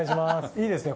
いいですね